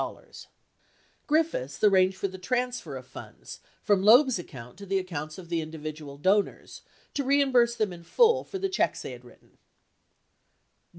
104 Griffiths arranged for the transfer of funds from Loeb's account to the accounts of the individual donors to reimburse them in full for the checks they had written.